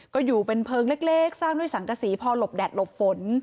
ก็อยู่เป็นเพลิงเล็กสร้างด้วยสังกษีพอหลบแดดหลบฝน